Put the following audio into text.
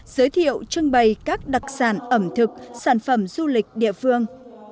giới thiệu trưng bày các đặc sản ẩm thực sản phẩm du lịch địa phương